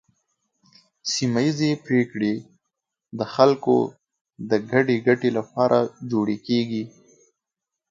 سیمه ایزې پریکړې د خلکو د ګډې ګټې لپاره جوړې کیږي.